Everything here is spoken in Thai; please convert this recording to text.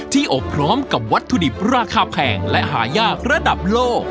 อบพร้อมกับวัตถุดิบราคาแพงและหายากระดับโลก